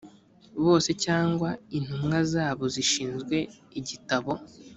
bose cyangwa intumwa zabo zishinzwe igitabo